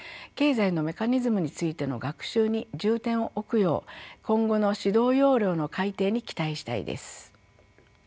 経済のメカニズムについての学習に重点を置くよう今後の指導要領の改訂に期待したいです。